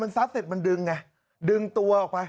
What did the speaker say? พอซักเสร็จมันดึงไง